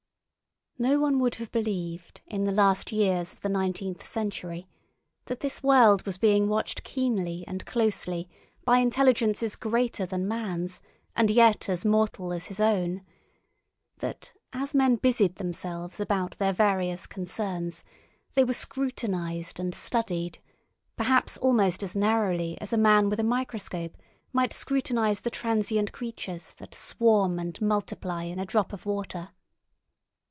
No one would have believed in the last years of the nineteenth century that this world was being watched keenly and closely by intelligences greater than man's and yet as mortal as his own; that as men busied themselves about their various concerns they were scrutinised and studied, perhaps almost as narrowly as a man with a microscope might scrutinise the transient creatures that swarm and multiply in a drop of water.